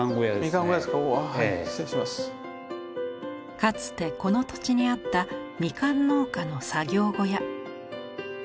かつてこの土地にあったみかん農家の作業小屋。